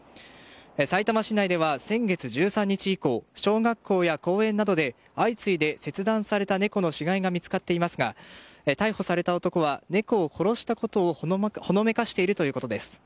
さいたま市内では先月１３日以降小学校や公園などで相次いで切断された猫の死骸が見つかっていますが逮捕された男は猫を殺したことをほのめかしているということです。